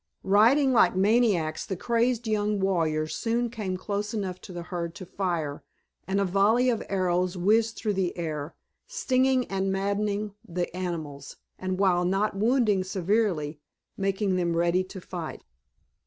Riding like maniacs the crazed young warriors soon came close enough to the herd to fire, and a volley of arrows whizzed through the air, stinging and maddening the animals, and while not wounding severely making them ready to fight.